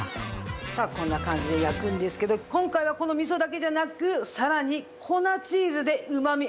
さあこんな感じで焼くんですけど今回はこの味噌だけじゃなくさらに。